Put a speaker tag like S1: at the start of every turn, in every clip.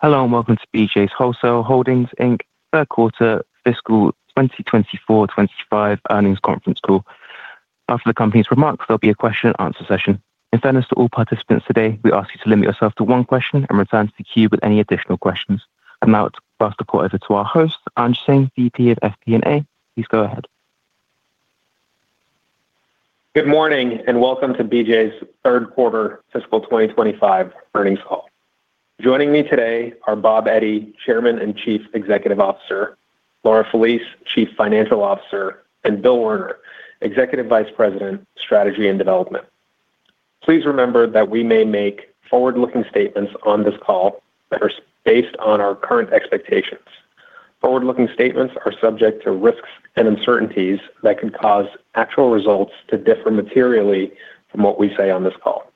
S1: Hello and welcome to BJ's Wholesale Club third quarter fiscal 2024-2025 earnings conference call. After the company's remarks, there'll be a question-and-answer session. In fairness to all participants today, we ask you to limit yourself to one question and return to the queue with any additional questions. I'm now going to pass the call over to our host, Ang Singh, VP of FP&A. Please go ahead.
S2: Good morning and welcome to BJ's third quarter fiscal 2025 earnings call. Joining me today are Bob Eddy, Chairman and Chief Executive Officer; Laura Felice, Chief Financial Officer; and Bill Werner, Executive Vice President, Strategy and Development. Please remember that we may make forward-looking statements on this call that are based on our current expectations. Forward-looking statements are subject to risks and uncertainties that can cause actual results to differ materially from what we say on this call.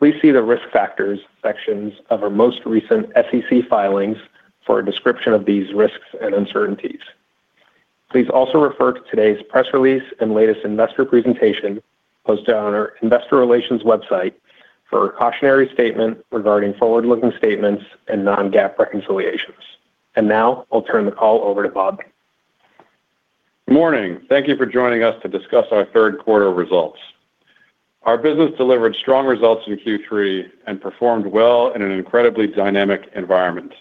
S2: Please see the risk factors sections of our most recent SEC filings for a description of these risks and uncertainties. Please also refer to today's press release and latest investor presentation posted on our investor relations website for a cautionary statement regarding forward-looking statements and non-GAAP reconciliations. Now I'll turn the call over to Bob.
S3: Good morning. Thank you for joining us to discuss our third quarter results. Our business delivered strong results in Q3 and performed well in an incredibly dynamic environment.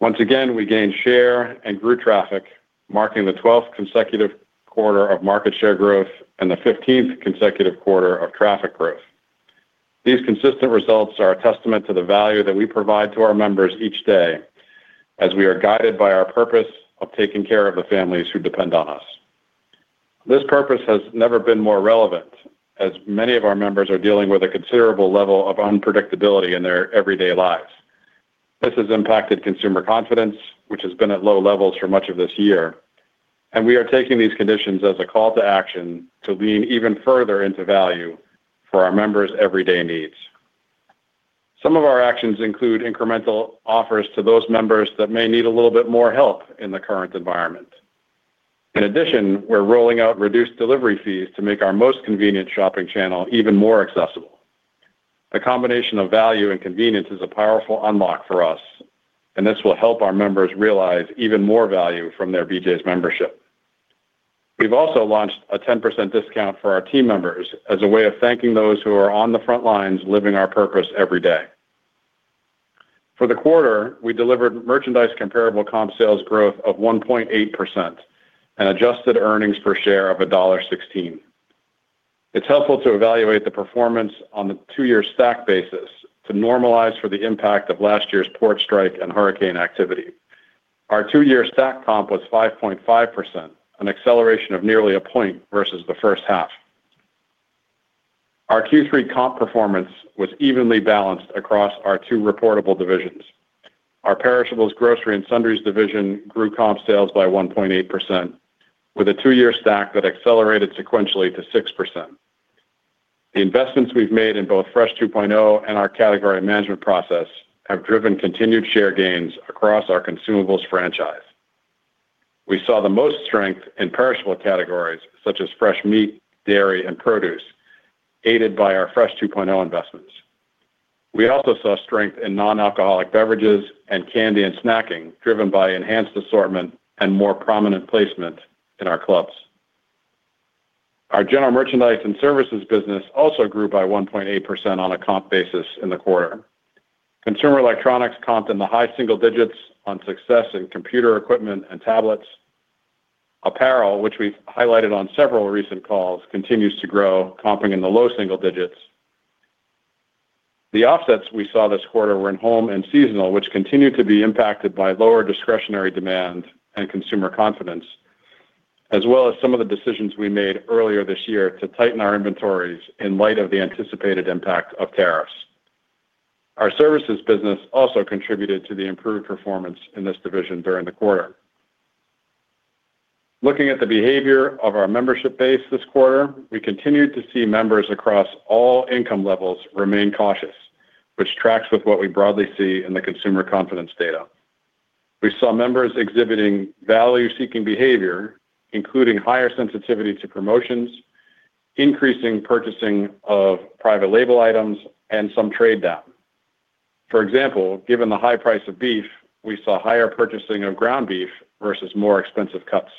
S3: Once again, we gained share and grew traffic, marking the 12th consecutive quarter of market share growth and the 15th consecutive quarter of traffic growth. These consistent results are a testament to the value that we provide to our members each day, as we are guided by our purpose of taking care of the families who depend on us. This purpose has never been more relevant, as many of our members are dealing with a considerable level of unpredictability in their everyday lives. This has impacted consumer confidence, which has been at low levels for much of this year, and we are taking these conditions as a call to action to lean even further into value for our members' everyday needs. Some of our actions include incremental offers to those members that may need a little bit more help in the current environment. In addition, we're rolling out reduced delivery fees to make our most convenient shopping channel even more accessible. The combination of value and convenience is a powerful unlock for us, and this will help our members realize even more value from their BJ's membership. We've also launched a 10% discount for our team members as a way of thanking those who are on the front lines living our purpose every day. For the quarter, we delivered merchandise comparable comp sales growth of 1.8% and adjusted earnings per share of $1.16. It's helpful to evaluate the performance on the two-year stack basis to normalize for the impact of last year's port strike and hurricane activity. Our two-year stack comp was 5.5%, an acceleration of nearly a point versus the first half. Our Q3 comp performance was evenly balanced across our two reportable divisions. Our perishables, grocery, and sundries division grew comp sales by 1.8%, with a two-year stack that accelerated sequentially to 6%. The investments we've made in both Fresh 2.0 and our category management process have driven continued share gains across our consumables franchise. We saw the most strength in perishable categories such as fresh meat, dairy, and produce, aided by our Fresh 2.0 investments. We also saw strength in non-alcoholic beverages and candy and snacking, driven by enhanced assortment and more prominent placement in our clubs. Our general merchandise and services business also grew by 1.8% on a comp basis in the quarter. Consumer electronics comped in the high single digits on success in computer equipment and tablets. Apparel, which we've highlighted on several recent calls, continues to grow, comping in the low single digits. The offsets we saw this quarter were in home and seasonal, which continued to be impacted by lower discretionary demand and consumer confidence, as well as some of the decisions we made earlier this year to tighten our inventories in light of the anticipated impact of tariffs. Our services business also contributed to the improved performance in this division during the quarter. Looking at the behavior of our membership base this quarter, we continued to see members across all income levels remain cautious, which tracks with what we broadly see in the consumer confidence data. We saw members exhibiting value-seeking behavior, including higher sensitivity to promotions, increasing purchasing of private label items, and some trade down. For example, given the high price of beef, we saw higher purchasing of ground beef versus more expensive cuts.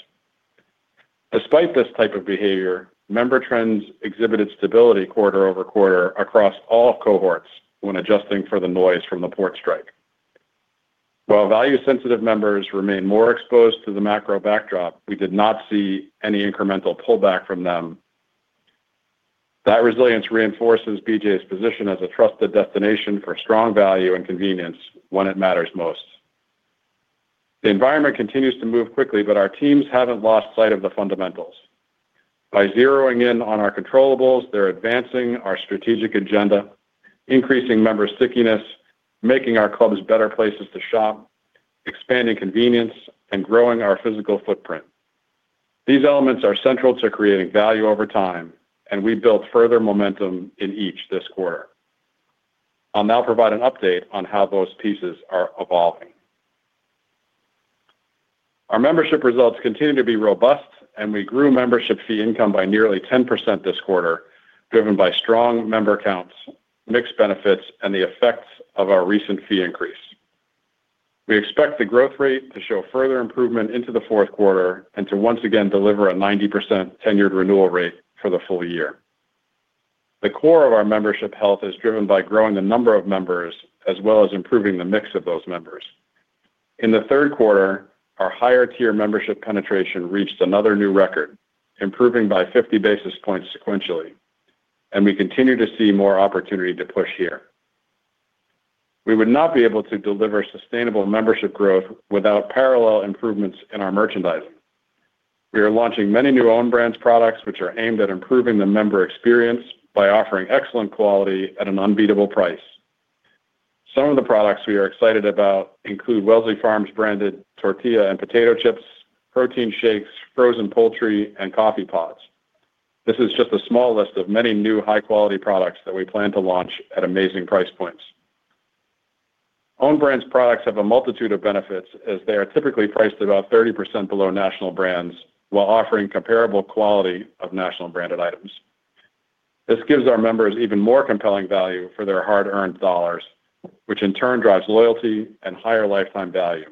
S3: Despite this type of behavior, member trends exhibited stability quarter over quarter across all cohorts when adjusting for the noise from the port strike. While value-sensitive members remain more exposed to the macro backdrop, we did not see any incremental pullback from them. That resilience reinforces BJ's position as a trusted destination for strong value and convenience when it matters most. The environment continues to move quickly, but our teams have not lost sight of the fundamentals. By zeroing in on our controllables, they are advancing our strategic agenda, increasing member stickiness, making our clubs better places to shop, expanding convenience, and growing our physical footprint. These elements are central to creating value over time, and we built further momentum in each this quarter. I'll now provide an update on how those pieces are evolving. Our membership results continue to be robust, and we grew membership fee income by nearly 10% this quarter, driven by strong member counts, mixed benefits, and the effects of our recent fee increase. We expect the growth rate to show further improvement into the fourth quarter and to once again deliver a 90% tenured renewal rate for the full year. The core of our membership health is driven by growing the number of members as well as improving the mix of those members. In the third quarter, our higher-tier membership penetration reached another new record, improving by 50 basis points sequentially, and we continue to see more opportunity to push here. We would not be able to deliver sustainable membership growth without parallel improvements in our merchandising. We are launching many new own-brands products, which are aimed at improving the member experience by offering excellent quality at an unbeatable price. Some of the products we are excited about include Wellesley Farms-branded tortilla and potato chips, protein shakes, frozen poultry, and coffee pods. This is just a small list of many new high-quality products that we plan to launch at amazing price points. Own-brands products have a multitude of benefits, as they are typically priced about 30% below national brands while offering comparable quality of national-branded items. This gives our members even more compelling value for their hard-earned dollars, which in turn drives loyalty and higher lifetime value.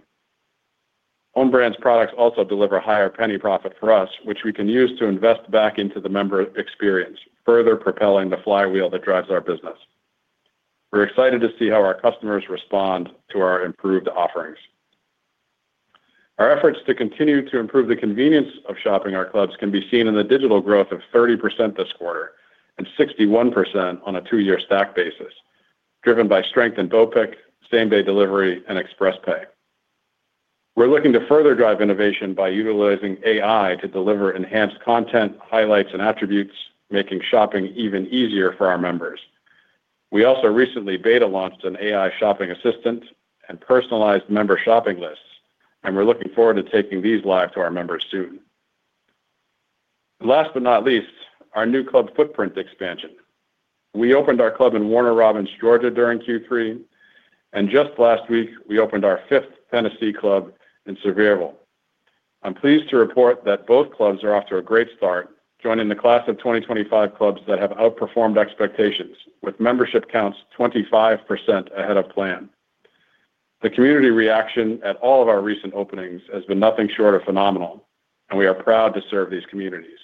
S3: Own-brands products also deliver higher penny profit for us, which we can use to invest back into the member experience, further propelling the flywheel that drives our business. We're excited to see how our customers respond to our improved offerings. Our efforts to continue to improve the convenience of shopping our clubs can be seen in the digital growth of 30% this quarter and 61% on a two-year stack basis, driven by strength in BOPIC, same-day delivery, and Express Pay. We're looking to further drive innovation by utilizing AI to deliver enhanced content, highlights, and attributes, making shopping even easier for our members. We also recently beta-launched an AI shopping assistant and personalized member shopping lists, and we're looking forward to taking these live to our members soon. Last but not least, our new club footprint expansion. We opened our club in Warner Robins, Georgia, during Q3, and just last week, we opened our fifth Tennessee club in Smyrna. I'm pleased to report that both clubs are off to a great start, joining the class of 2025 clubs that have outperformed expectations, with membership counts 25% ahead of plan. The community reaction at all of our recent openings has been nothing short of phenomenal, and we are proud to serve these communities.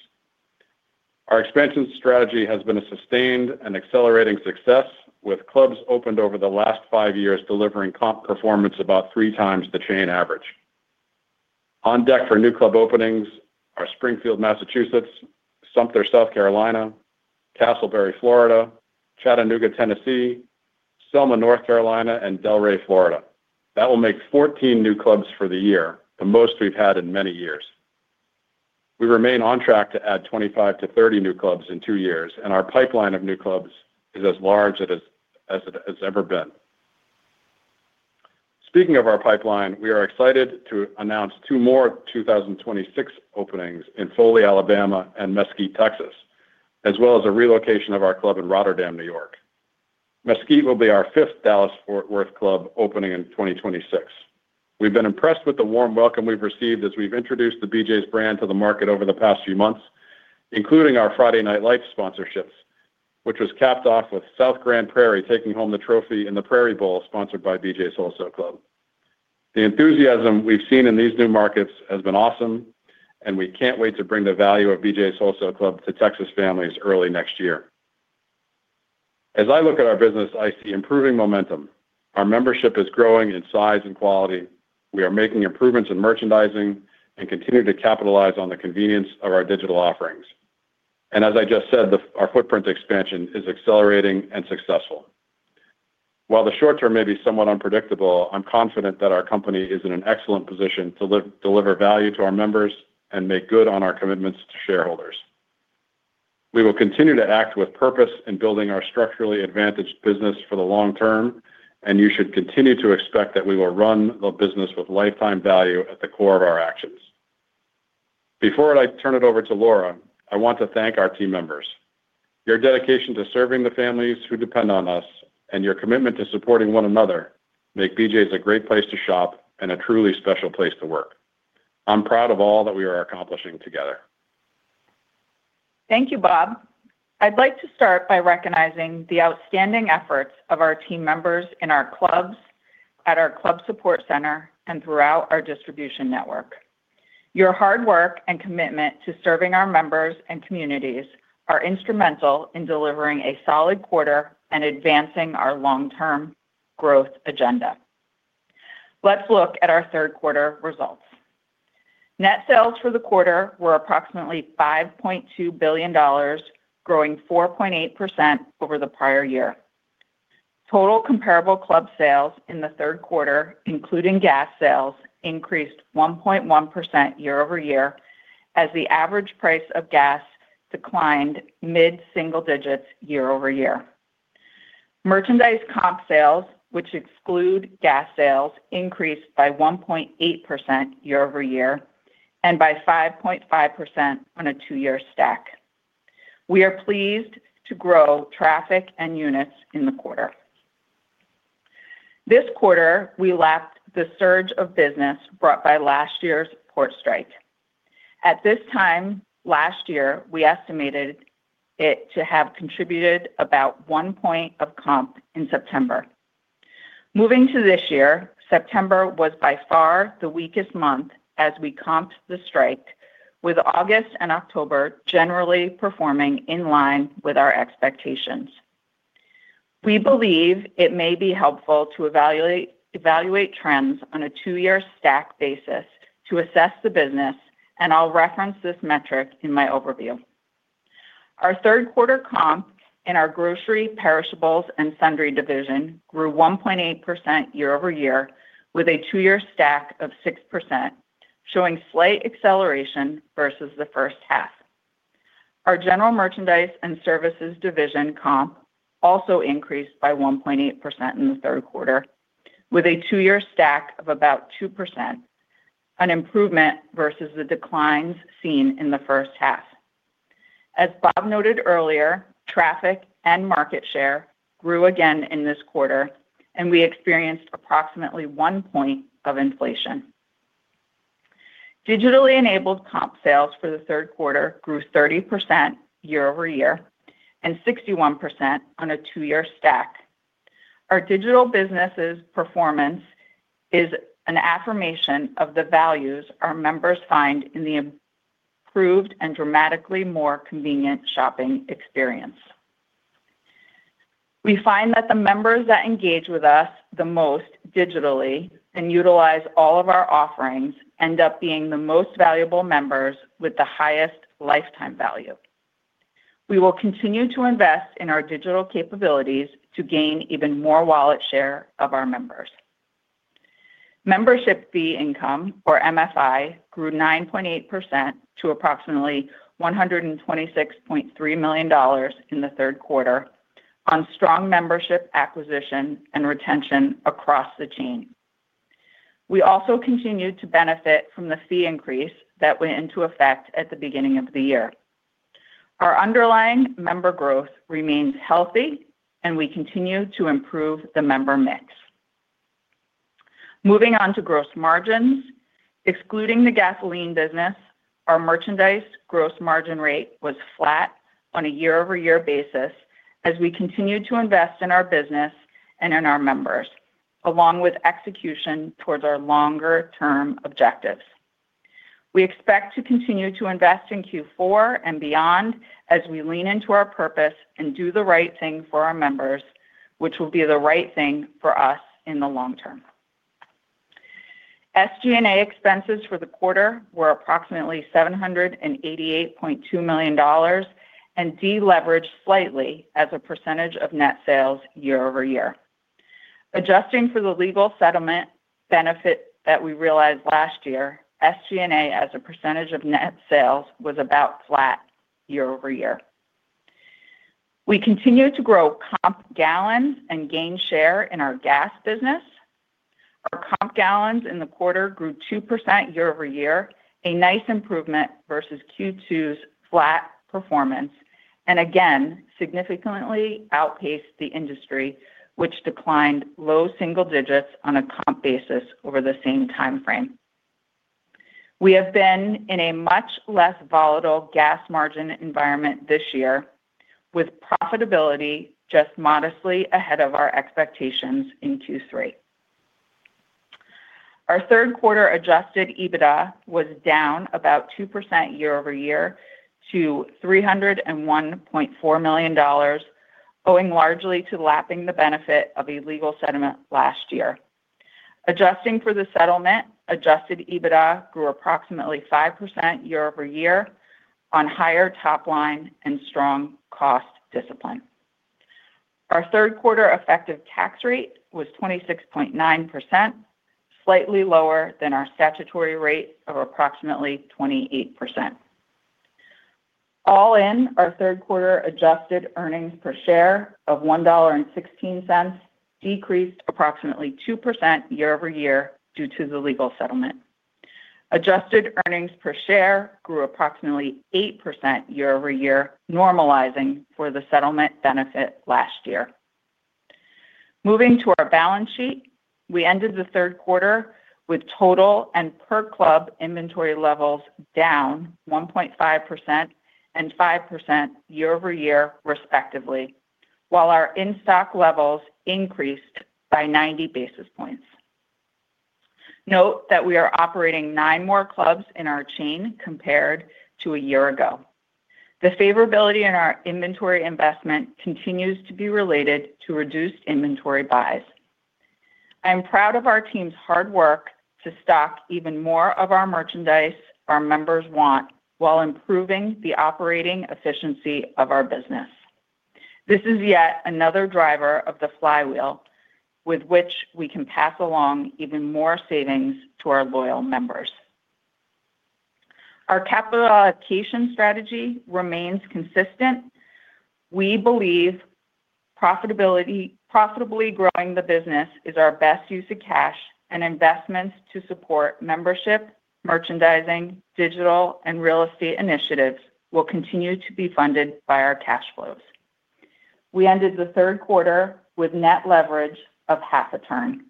S3: Our expansion strategy has been a sustained and accelerating success, with clubs opened over the last five years delivering comp performance about three times the chain average. On deck for new club openings are Springfield, Massachusetts; Sumter, South Carolina; Castleberry, Florida; Chattanooga, Tennessee; Selma, North Carolina; and Delray, Florida. That will make 14 new clubs for the year, the most we've had in many years. We remain on track to add 25-30 new clubs in two years, and our pipeline of new clubs is as large as it has ever been. Speaking of our pipeline, we are excited to announce two more 2026 openings in Foley, Alabama, and Mesquite, Texas, as well as a relocation of our club in Rotterdam, New York. Mesquite will be our fifth Dallas-Fort Worth club opening in 2026. We've been impressed with the warm welcome we've received as we've introduced the BJ's brand to the market over the past few months, including our Friday Night Lights sponsorships, which was capped off with South Grand Prairie taking home the trophy in the Prairie Bowl sponsored by BJ's Wholesale Club. The enthusiasm we've seen in these new markets has been awesome, and we can't wait to bring the value of BJ's Wholesale Club to Texas families early next year. As I look at our business, I see improving momentum. Our membership is growing in size and quality. We are making improvements in merchandising and continue to capitalize on the convenience of our digital offerings. As I just said, our footprint expansion is accelerating and successful. While the short term may be somewhat unpredictable, I'm confident that our company is in an excellent position to deliver value to our members and make good on our commitments to shareholders. We will continue to act with purpose in building our structurally advantaged business for the long term, and you should continue to expect that we will run the business with lifetime value at the core of our actions. Before I turn it over to Laura, I want to thank our team members. Your dedication to serving the families who depend on us and your commitment to supporting one another make BJ's a great place to shop and a truly special place to work. I'm proud of all that we are accomplishing together.
S4: Thank you, Bob. I'd like to start by recognizing the outstanding efforts of our team members in our clubs, at our club support center, and throughout our distribution network. Your hard work and commitment to serving our members and communities are instrumental in delivering a solid quarter and advancing our long-term growth agenda. Let's look at our third quarter results. Net sales for the quarter were approximately $5.2 billion, growing 4.8% over the prior year. Total comparable club sales in the third quarter, including gas sales, increased 1.1% year over year as the average price of gas declined mid-single digits year over year. Merchandise comp sales, which exclude gas sales, increased by 1.8% year over year and by 5.5% on a two-year stack. We are pleased to grow traffic and units in the quarter. This quarter, we lapped the surge of business brought by last year's port strike. At this time last year, we estimated it to have contributed about one point of comp in September. Moving to this year, September was by far the weakest month as we comped the strike, with August and October generally performing in line with our expectations. We believe it may be helpful to evaluate trends on a two-year stack basis to assess the business, and I'll reference this metric in my overview. Our third quarter comp in our grocery, perishables, and sundries division grew 1.8% year over year, with a two-year stack of 6%, showing slight acceleration versus the first half. Our general merchandise and services division comp also increased by 1.8% in the third quarter, with a two-year stack of about 2%, an improvement versus the declines seen in the first half. As Bob noted earlier, traffic and market share grew again in this quarter, and we experienced approximately one point of inflation. Digitally enabled comp sales for the third quarter grew 30% year over year and 61% on a two-year stack. Our digital business's performance is an affirmation of the values our members find in the improved and dramatically more convenient shopping experience. We find that the members that engage with us the most digitally and utilize all of our offerings end up being the most valuable members with the highest lifetime value. We will continue to invest in our digital capabilities to gain even more wallet share of our members. Membership fee income, or MFI, grew 9.8% to approximately $126.3 million in the third quarter on strong membership acquisition and retention across the chain. We also continue to benefit from the fee increase that went into effect at the beginning of the year. Our underlying member growth remains healthy, and we continue to improve the member mix. Moving on to gross margins, excluding the gasoline business, our merchandise gross margin rate was flat on a year-over-year basis as we continue to invest in our business and in our members, along with execution towards our longer-term objectives. We expect to continue to invest in Q4 and beyond as we lean into our purpose and do the right thing for our members, which will be the right thing for us in the long term. SG&A expenses for the quarter were approximately $788.2 million and deleveraged slightly as a percentage of net sales year over year. Adjusting for the legal settlement benefit that we realized last year, SG&A as a percentage of net sales was about flat year over year. We continue to grow comp gallons and gain share in our gas business. Our comp gallons in the quarter grew 2% year over year, a nice improvement versus Q2's flat performance, and again, significantly outpaced the industry, which declined low single digits on a comp basis over the same timeframe. We have been in a much less volatile gas margin environment this year, with profitability just modestly ahead of our expectations in Q3. Our third quarter adjusted EBITDA was down about 2% year over year to $301.4 million, owing largely to lapping the benefit of a legal settlement last year. Adjusting for the settlement, adjusted EBITDA grew approximately 5% year over year on higher top line and strong cost discipline. Our third quarter effective tax rate was 26.9%, slightly lower than our statutory rate of approximately 28%. All in, our third quarter adjusted earnings per share of $1.16 decreased approximately 2% year over year due to the legal settlement. Adjusted earnings per share grew approximately 8% year over year, normalizing for the settlement benefit last year. Moving to our balance sheet, we ended the third quarter with total and per club inventory levels down 1.5% and 5% year over year, respectively, while our in-stock levels increased by 90 basis points. Note that we are operating nine more clubs in our chain compared to a year ago. The favorability in our inventory investment continues to be related to reduced inventory buys. I am proud of our team's hard work to stock even more of our merchandise our members want while improving the operating efficiency of our business. This is yet another driver of the flywheel with which we can pass along even more savings to our loyal members. Our capitalization strategy remains consistent. We believe profitably growing the business is our best use of cash, and investments to support membership, merchandising, digital, and real estate initiatives will continue to be funded by our cash flows. We ended the third quarter with net leverage of half a turn.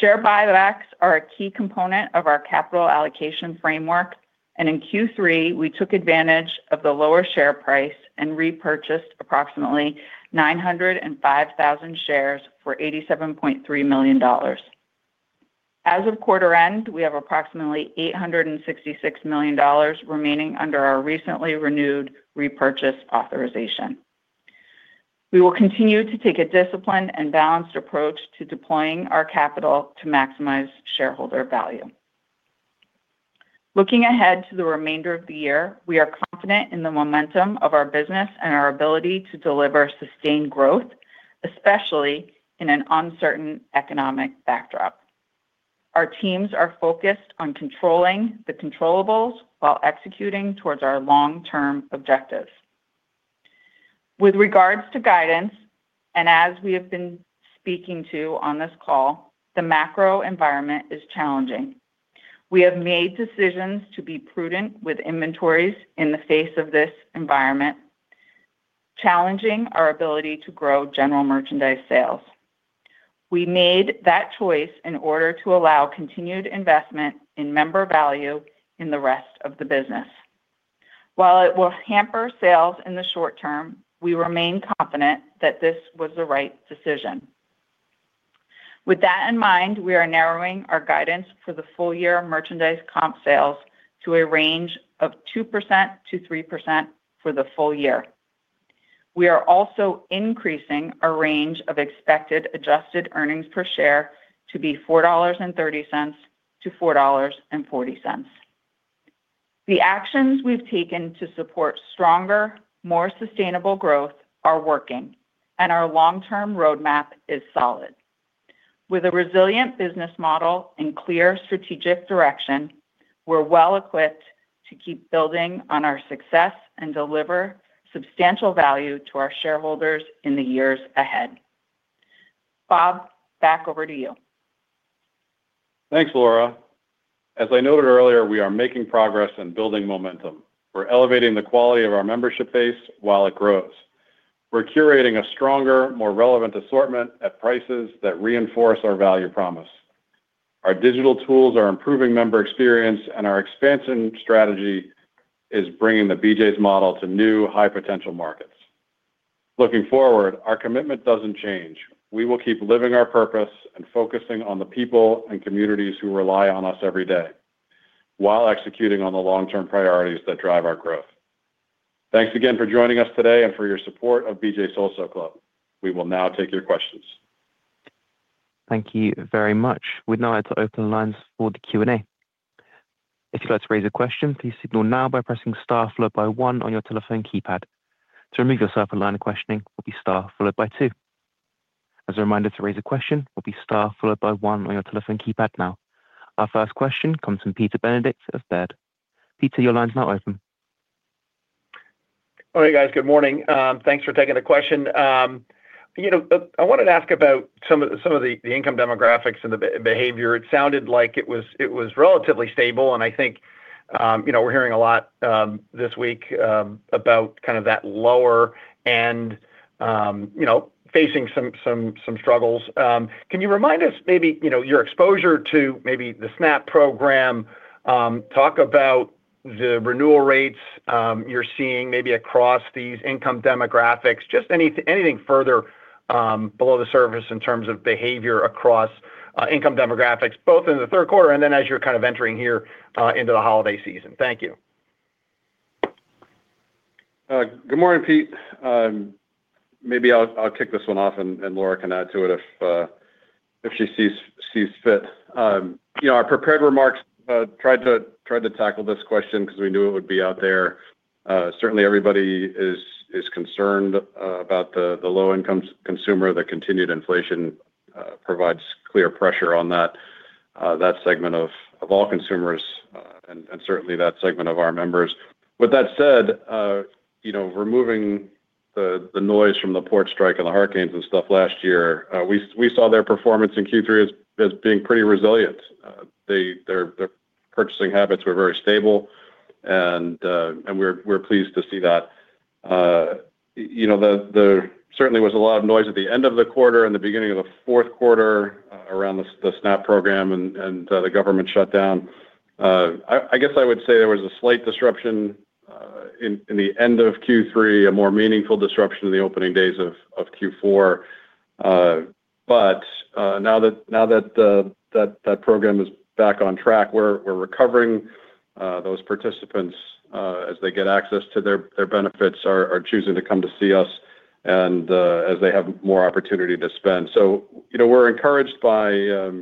S4: Share buybacks are a key component of our capital allocation framework, and in Q3, we took advantage of the lower share price and repurchased approximately 905,000 shares for $87.3 million. As of quarter end, we have approximately $866 million remaining under our recently renewed repurchase authorization. We will continue to take a disciplined and balanced approach to deploying our capital to maximize shareholder value. Looking ahead to the remainder of the year, we are confident in the momentum of our business and our ability to deliver sustained growth, especially in an uncertain economic backdrop. Our teams are focused on controlling the controllables while executing towards our long-term objectives. With regards to guidance, and as we have been speaking to on this call, the macro environment is challenging. We have made decisions to be prudent with inventories in the face of this environment, challenging our ability to grow general merchandise sales. We made that choice in order to allow continued investment in member value in the rest of the business. While it will hamper sales in the short term, we remain confident that this was the right decision. With that in mind, we are narrowing our guidance for the full-year merchandise comp sales to a range of 2%-3% for the full year. We are also increasing our range of expected adjusted earnings per share to be $4.30-$4.40. The actions we've taken to support stronger, more sustainable growth are working, and our long-term roadmap is solid. With a resilient business model and clear strategic direction, we're well equipped to keep building on our success and deliver substantial value to our shareholders in the years ahead. Bob, back over to you.
S3: Thanks, Laura. As I noted earlier, we are making progress and building momentum. We're elevating the quality of our membership base while it grows. We're curating a stronger, more relevant assortment at prices that reinforce our value promise. Our digital tools are improving member experience, and our expansion strategy is bringing the BJ's model to new, high-potential markets. Looking forward, our commitment doesn't change. We will keep living our purpose and focusing on the people and communities who rely on us every day while executing on the long-term priorities that drive our growth. Thanks again for joining us today and for your support of BJ's Wholesale Club. We will now take your questions.
S1: Thank you very much. We'd now like to open the lines for the Q&A. If you'd like to raise a question, please signal now by pressing star followed by one on your telephone keypad. To remove yourself from the line of questioning, it will be star followed by two. As a reminder to raise a question, it will be star followed by one on your telephone keypad now. Our first question comes from Peter Benedict of Baird. Peter, your line's now open.
S5: All right, guys. Good morning. Thanks for taking the question. I wanted to ask about some of the income demographics and the behavior. It sounded like it was relatively stable, and I think we're hearing a lot this week about kind of that lower end facing some struggles. Can you remind us maybe your exposure to maybe the SNAP program? Talk about the renewal rates you're seeing maybe across these income demographics, just anything further below the surface in terms of behavior across income demographics, both in the third quarter and then as you're kind of entering here into the holiday season. Thank you.
S3: Good morning, Pete. Maybe I'll kick this one off, and Laura can add to it if she sees fit. Our prepared remarks tried to tackle this question because we knew it would be out there. Certainly, everybody is concerned about the low-income consumer. The continued inflation provides clear pressure on that segment of all consumers and certainly that segment of our members. With that said, removing the noise from the port strike and the hurricanes and stuff last year, we saw their performance in Q3 as being pretty resilient. Their purchasing habits were very stable, and we're pleased to see that. There certainly was a lot of noise at the end of the quarter and the beginning of the fourth quarter around the SNAP program and the government shutdown. I guess I would say there was a slight disruption in the end of Q3, a more meaningful disruption in the opening days of Q4. Now that that program is back on track, we're recovering. Those participants, as they get access to their benefits, are choosing to come to see us as they have more opportunity to spend. We're encouraged by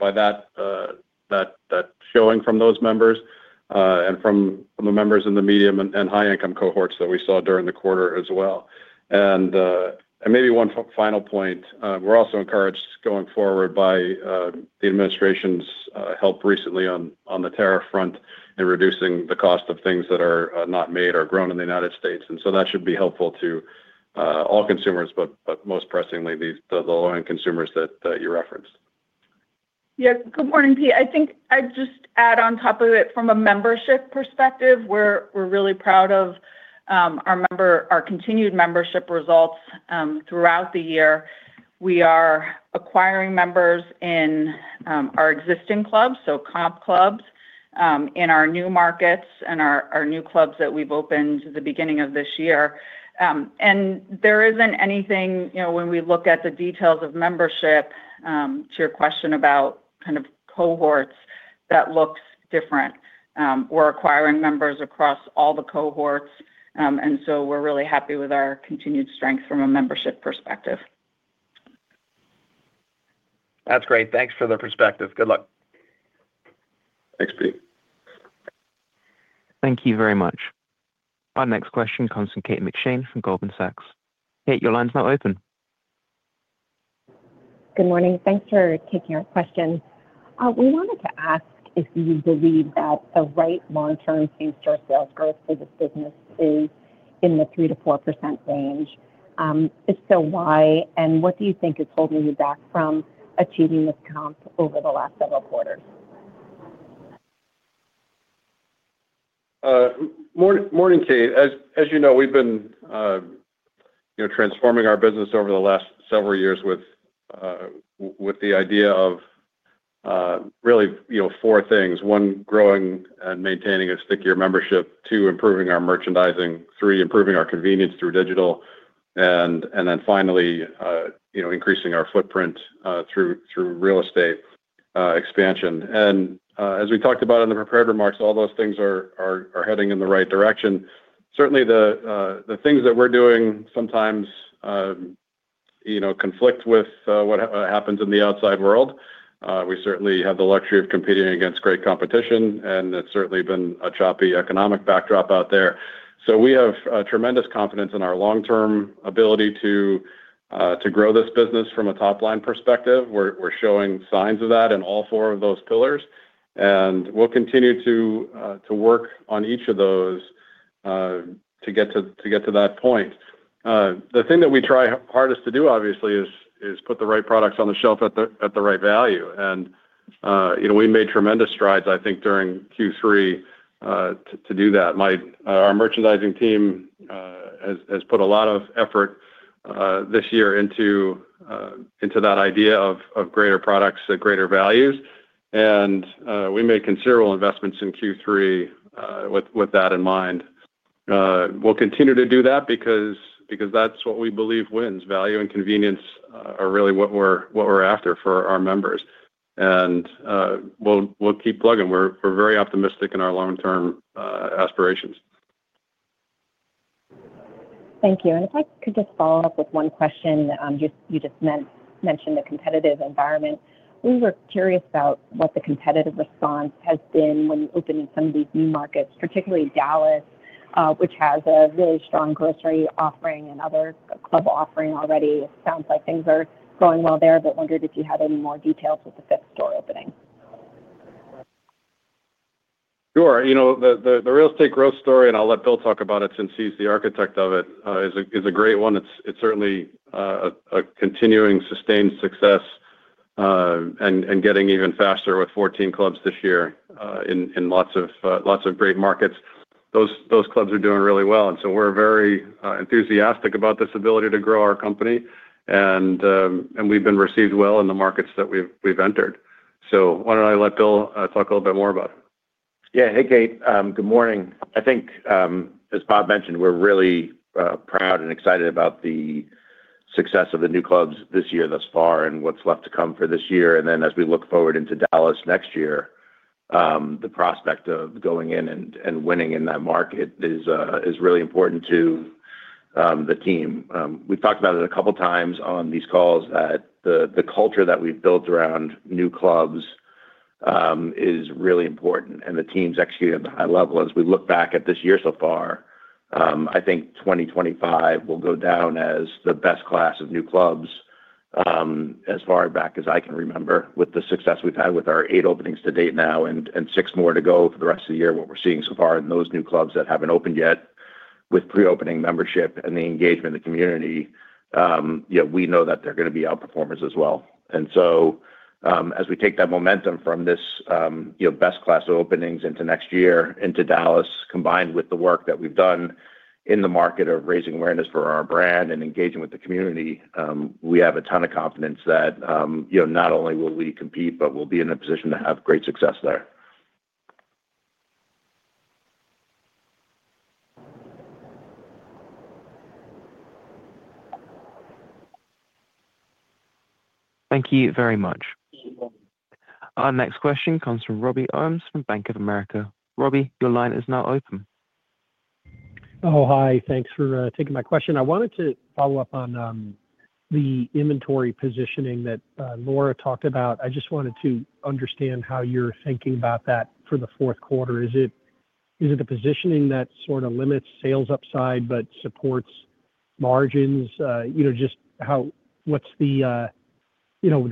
S3: that showing from those members and from the members in the medium and high-income cohorts that we saw during the quarter as well. Maybe one final point. We're also encouraged going forward by the administration's help recently on the tariff front in reducing the cost of things that are not made or grown in the United States. That should be helpful to all consumers, but most pressingly, the low-end consumers that you referenced.
S4: Yes. Good morning, Pete. I think I'd just add on top of it, from a membership perspective, we're really proud of our continued membership results throughout the year. We are acquiring members in our existing clubs, so comp clubs, in our new markets and our new clubs that we've opened at the beginning of this year. There isn't anything, when we look at the details of membership, to your question about kind of cohorts, that looks different. We're acquiring members across all the cohorts, and so we're really happy with our continued strength from a membership perspective.
S5: That's great. Thanks for the perspective. Good luck.
S3: Thanks, Pete.
S1: Thank you very much. Our next question comes from Kate McShane from Goldman Sachs. Kate, your line's now open.
S6: Good morning. Thanks for taking our question. We wanted to ask if you believe that the right long-term pace to our sales growth for this business is in the 3-4% range. If so, why, and what do you think is holding you back from achieving this comp over the last several quarters?
S3: Morning, Kate. As you know, we've been transforming our business over the last several years with the idea of really four things: one, growing and maintaining a stickier membership; two, improving our merchandising; three, improving our convenience through digital; and then finally, increasing our footprint through real estate expansion. As we talked about in the prepared remarks, all those things are heading in the right direction. Certainly, the things that we're doing sometimes conflict with what happens in the outside world. We certainly have the luxury of competing against great competition, and it's certainly been a choppy economic backdrop out there. We have tremendous confidence in our long-term ability to grow this business from a top-line perspective. We're showing signs of that in all four of those pillars, and we'll continue to work on each of those to get to that point. The thing that we try hardest to do, obviously, is put the right products on the shelf at the right value. We made tremendous strides, I think, during Q3 to do that. Our merchandising team has put a lot of effort this year into that idea of greater products at greater values, and we made considerable investments in Q3 with that in mind. We will continue to do that because that's what we believe wins. Value and convenience are really what we're after for our members. We will keep plugging. We're very optimistic in our long-term aspirations.
S6: Thank you. If I could just follow up with one question. You just mentioned the competitive environment. We were curious about what the competitive response has been when opening some of these new markets, particularly Dallas, which has a really strong grocery offering and other club offering already. It sounds like things are going well there, but wondered if you had any more details with the fifth store opening.
S3: Sure. The real estate growth story, and I'll let Bill talk about it since he's the architect of it, is a great one. It's certainly a continuing sustained success and getting even faster with 14 clubs this year in lots of great markets. Those clubs are doing really well, and we are very enthusiastic about this ability to grow our company, and we've been received well in the markets that we've entered. Why don't I let Bill talk a little bit more about it?
S7: Yeah. Hey, Kate. Good morning. I think, as Bob mentioned, we're really proud and excited about the success of the new clubs this year thus far and what's left to come for this year. As we look forward into Dallas next year, the prospect of going in and winning in that market is really important to the team. We've talked about it a couple of times on these calls that the culture that we've built around new clubs is really important, and the team's executing at the high level. As we look back at this year so far, I think 2025 will go down as the best class of new clubs as far back as I can remember. With the success we've had with our eight openings to date now and six more to go for the rest of the year, what we're seeing so far in those new clubs that haven't opened yet with pre-opening membership and the engagement of the community, we know that they're going to be outperformers as well. As we take that momentum from this best class of openings into next year into Dallas, combined with the work that we've done in the market of raising awareness for our brand and engaging with the community, we have a ton of confidence that not only will we compete, but we'll be in a position to have great success there.
S1: Thank you very much. Our next question comes from Robbie Owens from Bank of America. Robbie, your line is now open.
S8: Oh, hi. Thanks for taking my question. I wanted to follow up on the inventory positioning that Laura talked about. I just wanted to understand how you're thinking about that for the fourth quarter. Is it a positioning that sort of limits sales upside but supports margins? Just what's the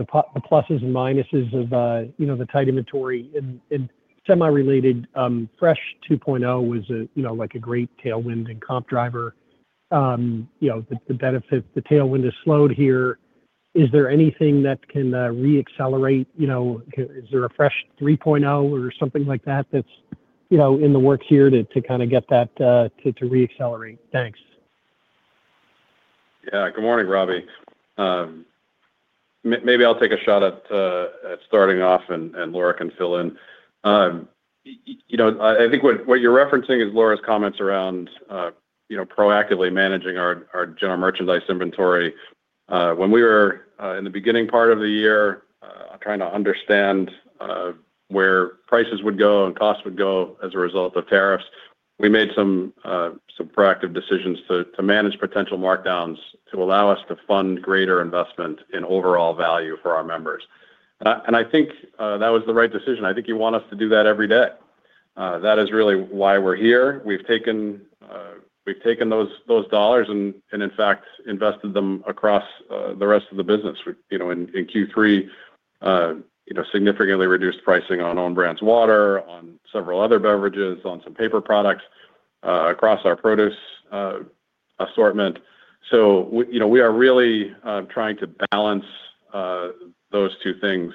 S8: pluses and minuses of the tight inventory? Semi-related, Fresh 2.0 was a great tailwind and comp driver. The benefits, the tailwind has slowed here. Is there anything that can re-accelerate? Is there a Fresh 3.0 or something like that that's in the works here to kind of get that to re-accelerate? Thanks.
S3: Yeah. Good morning, Robbie. Maybe I'll take a shot at starting off, and Laura can fill in. I think what you're referencing is Laura's comments around proactively managing our general merchandise inventory. When we were in the beginning part of the year trying to understand where prices would go and costs would go as a result of tariffs, we made some proactive decisions to manage potential markdowns to allow us to fund greater investment in overall value for our members. I think that was the right decision. I think you want us to do that every day. That is really why we're here. We've taken those dollars and, in fact, invested them across the rest of the business. In Q3, significantly reduced pricing on own brands' water, on several other beverages, on some paper products across our produce assortment. We are really trying to balance those two things.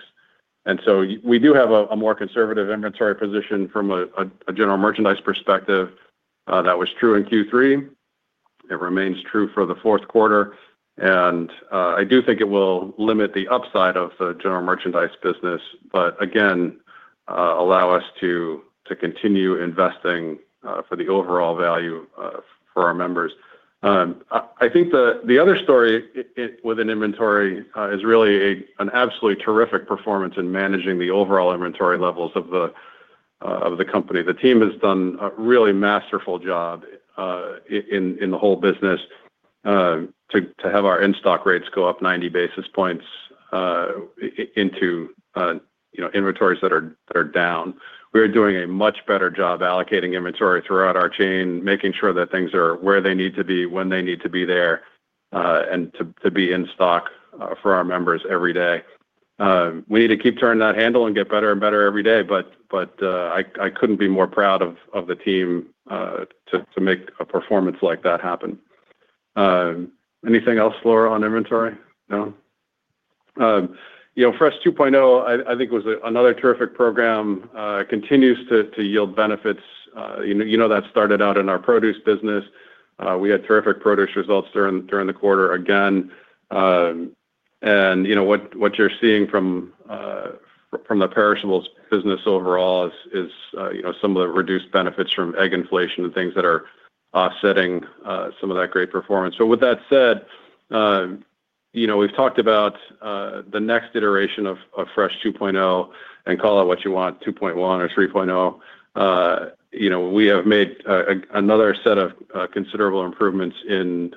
S3: We do have a more conservative inventory position from a general merchandise perspective. That was true in Q3. It remains true for the fourth quarter. I do think it will limit the upside of the general merchandise business, but again, allow us to continue investing for the overall value for our members. I think the other story with inventory is really an absolutely terrific performance in managing the overall inventory levels of the company. The team has done a really masterful job in the whole business to have our in-stock rates go up 90 basis points into inventories that are down. We are doing a much better job allocating inventory throughout our chain, making sure that things are where they need to be, when they need to be there, and to be in stock for our members every day. We need to keep turning that handle and get better and better every day, but I couldn't be more proud of the team to make a performance like that happen. Anything else, Laura, on inventory? No? Fresh 2.0, I think, was another terrific program. It continues to yield benefits. You know that started out in our produce business. We had terrific produce results during the quarter again. What you're seeing from the perishables business overall is some of the reduced benefits from egg inflation and things that are offsetting some of that great performance. With that said, we've talked about the next iteration of Fresh 2.0 and call it what you want, 2.1 or 3.0. We have made another set of considerable improvements in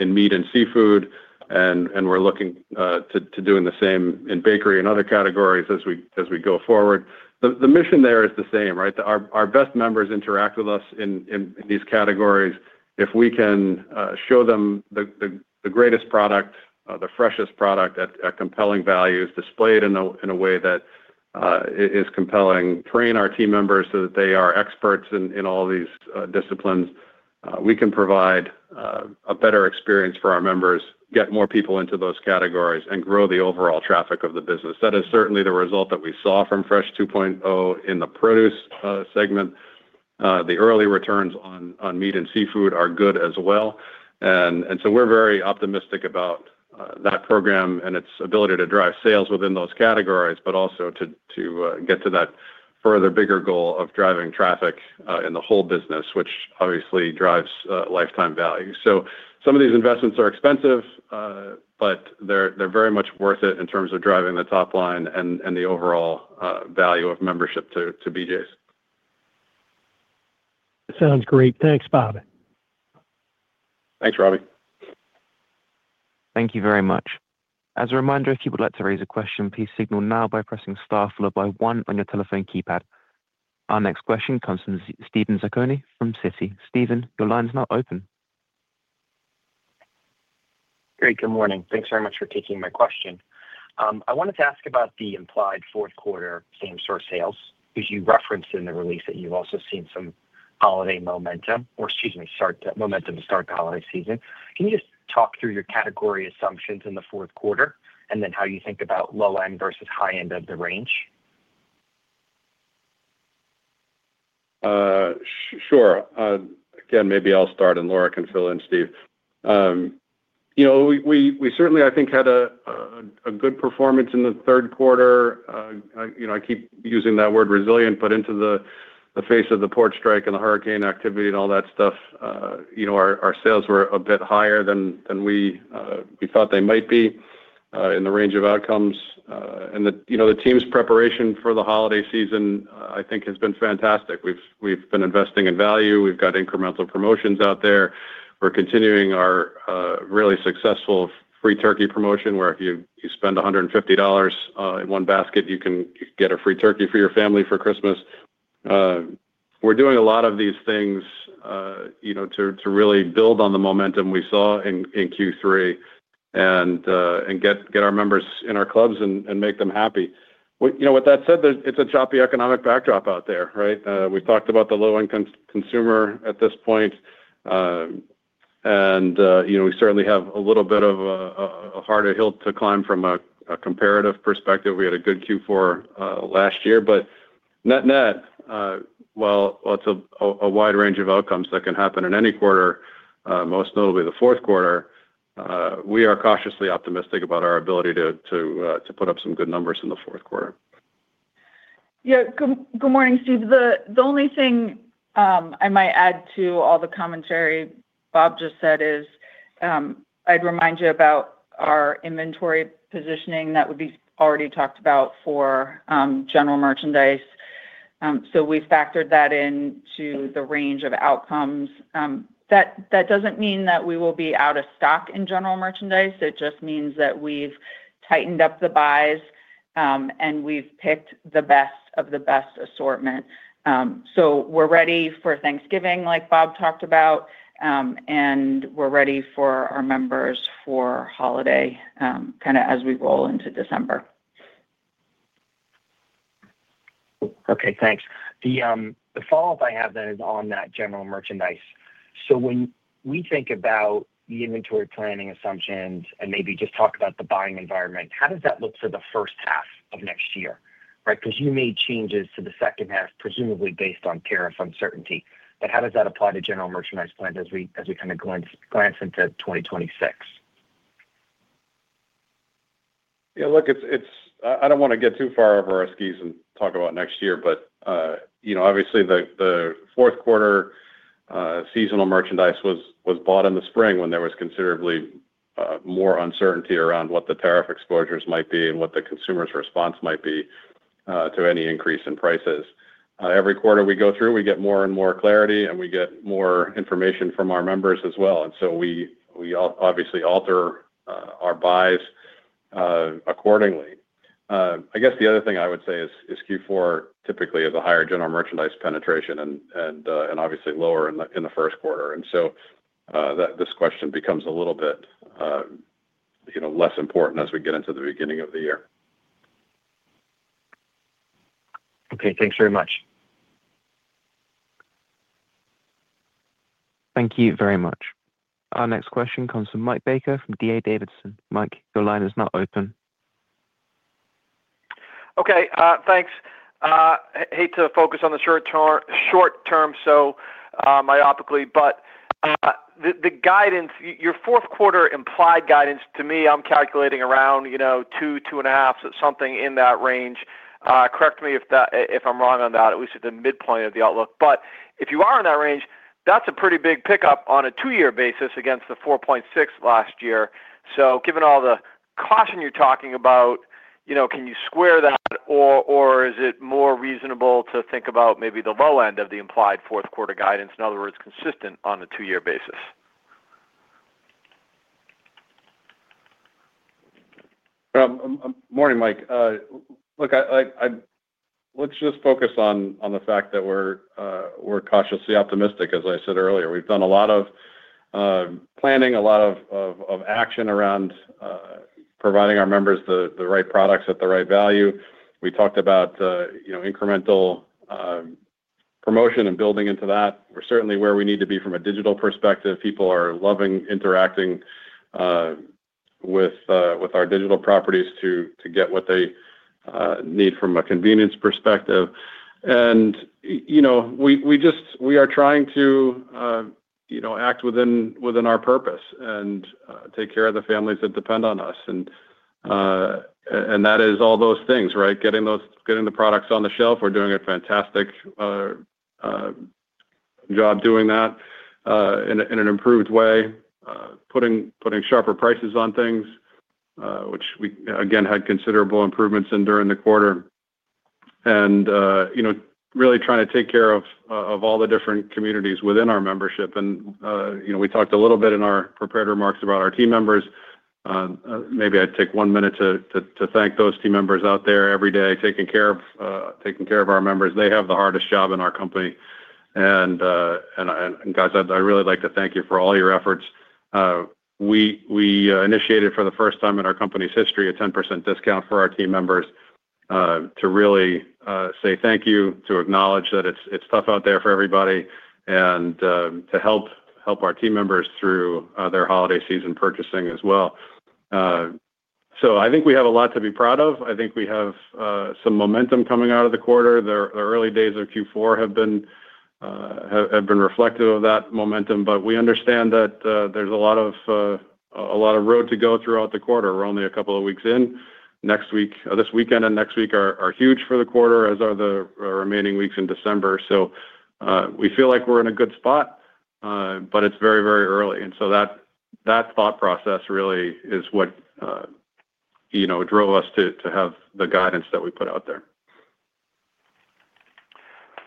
S3: meat and seafood, and we're looking to doing the same in bakery and other categories as we go forward. The mission there is the same, right? Our best members interact with us in these categories. If we can show them the greatest product, the freshest product at compelling values, display it in a way that is compelling, train our team members so that they are experts in all these disciplines, we can provide a better experience for our members, get more people into those categories, and grow the overall traffic of the business. That is certainly the result that we saw from Fresh 2.0 in the produce segment. The early returns on meat and seafood are good as well. We are very optimistic about that program and its ability to drive sales within those categories, but also to get to that further bigger goal of driving traffic in the whole business, which obviously drives lifetime value. Some of these investments are expensive, but they're very much worth it in terms of driving the top line and the overall value of membership to BJ's.
S8: Sounds great. Thanks, Bob.
S3: Thanks, Robbie.
S1: Thank you very much. As a reminder, if you would like to raise a question, please signal now by pressing star followed by one on your telephone keypad. Our next question comes from Steven Zaccone from Citi. Steven, your line's now open.
S9: Great. Good morning. Thanks very much for taking my question. I wanted to ask about the implied fourth quarter same-store sales, which you referenced in the release that you've also seen some holiday momentum or, excuse me, momentum to start the holiday season. Can you just talk through your category assumptions in the fourth quarter and then how you think about low-end versus high-end of the range?
S3: Sure. Again, maybe I'll start, and Laura can fill in, Steve. We certainly, I think, had a good performance in the third quarter. I keep using that word resilient, but into the face of the port strike and the hurricane activity and all that stuff, our sales were a bit higher than we thought they might be in the range of outcomes. The team's preparation for the holiday season, I think, has been fantastic. We've been investing in value. We've got incremental promotions out there. We're continuing our really successful free turkey promotion where if you spend $150 in one basket, you can get a free turkey for your family for Christmas. We're doing a lot of these things to really build on the momentum we saw in Q3 and get our members in our clubs and make them happy. With that said, it's a choppy economic backdrop out there, right? We've talked about the low-end consumer at this point, and we certainly have a little bit of a harder hill to climb from a comparative perspective. We had a good Q4 last year, but net-net, while it's a wide range of outcomes that can happen in any quarter, most notably the fourth quarter, we are cautiously optimistic about our ability to put up some good numbers in the fourth quarter.
S4: Yeah. Good morning, Steve. The only thing I might add to all the commentary Bob just said is I'd remind you about our inventory positioning that we've already talked about for general merchandise. We've factored that into the range of outcomes. That doesn't mean that we will be out of stock in general merchandise. It just means that we've tightened up the buys and we've picked the best of the best assortment. We're ready for Thanksgiving, like Bob talked about, and we're ready for our members for holiday kind of as we roll into December.
S9: Okay. Thanks. The follow-up I have then is on that general merchandise. When we think about the inventory planning assumptions and maybe just talk about the buying environment, how does that look for the first half of next year, right? You made changes to the second half, presumably based on tariff uncertainty. How does that apply to general merchandise plans as we kind of glance into 2026?
S3: Yeah. Look, I don't want to get too far over our skis and talk about next year, but obviously, the fourth quarter seasonal merchandise was bought in the spring when there was considerably more uncertainty around what the tariff exposures might be and what the consumer's response might be to any increase in prices. Every quarter we go through, we get more and more clarity, and we get more information from our members as well. We obviously alter our buys accordingly. I guess the other thing I would say is Q4 typically is a higher general merchandise penetration and obviously lower in the first quarter. This question becomes a little bit less important as we get into the beginning of the year.
S9: Okay. Thanks very much.
S1: Thank you very much. Our next question comes from Mike Baker from D.A. Davidson. Mike, your line is now open.
S10: Okay. Thanks. Hate to focus on the short-term so myopically, but the guidance, your fourth quarter implied guidance to me, I'm calculating around 2-2.5, something in that range. Correct me if I'm wrong on that. It was at the midpoint of the outlook. If you are in that range, that's a pretty big pickup on a two-year basis against the 4.6 last year. Given all the caution you're talking about, can you square that, or is it more reasonable to think about maybe the low end of the implied fourth quarter guidance, in other words, consistent on a two-year basis?
S3: Morning, Mike. Look, let's just focus on the fact that we're cautiously optimistic, as I said earlier. We've done a lot of planning, a lot of action around providing our members the right products at the right value. We talked about incremental promotion and building into that. We're certainly where we need to be from a digital perspective. People are loving interacting with our digital properties to get what they need from a convenience perspective. We are trying to act within our purpose and take care of the families that depend on us. That is all those things, right? Getting the products on the shelf. We're doing a fantastic job doing that in an improved way, putting sharper prices on things, which we, again, had considerable improvements in during the quarter, and really trying to take care of all the different communities within our membership. We talked a little bit in our prepared remarks about our team members. Maybe I'd take one minute to thank those team members out there every day taking care of our members. They have the hardest job in our company. Guys, I'd really like to thank you for all your efforts. We initiated, for the first time in our company's history, a 10% discount for our team members to really say thank you, to acknowledge that it's tough out there for everybody, and to help our team members through their holiday season purchasing as well. I think we have a lot to be proud of. I think we have some momentum coming out of the quarter. The early days of Q4 have been reflective of that momentum, but we understand that there's a lot of road to go throughout the quarter. We're only a couple of weeks in. This weekend and next week are huge for the quarter, as are the remaining weeks in December. We feel like we're in a good spot, but it's very, very early. That thought process really is what drove us to have the guidance that we put out there.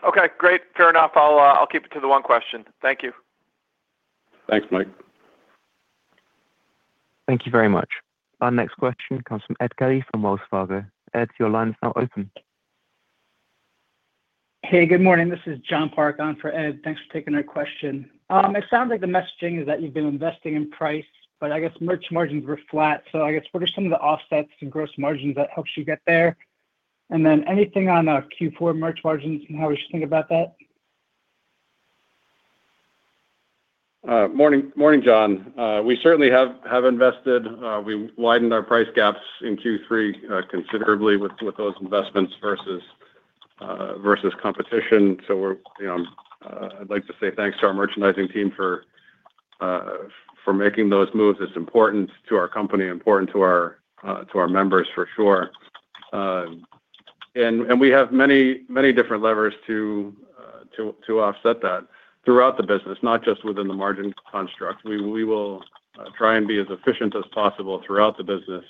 S10: Okay. Great. Fair enough. I'll keep it to the one question. Thank you.
S3: Thanks, Mike.
S1: Thank you very much. Our next question comes from Ed Kelly from Wells Fargo. Ed, your line is now open.
S11: Hey, good morning. This is John Park on for Ed. Thanks for taking our question. It sounds like the messaging is that you've been investing in price, but I guess merch margins were flat. What are some of the offsets in gross margins that helps you get there? Anything on Q4 merch margins and how we should think about that?
S3: Morning, John. We certainly have invested. We widened our price gaps in Q3 considerably with those investments versus competition. I'd like to say thanks to our merchandising team for making those moves. It's important to our company, important to our members for sure. We have many different levers to offset that throughout the business, not just within the margin construct. We will try and be as efficient as possible throughout the business